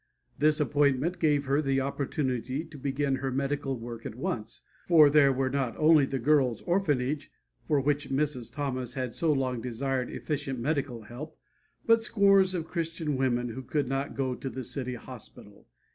This appointment gave her the opportunity to begin her medical work at once, for there were not only the girls' orphanage, for which Mrs. Thomas had so long desired efficient medical help, but scores of Christian women who could not go to the city hospital.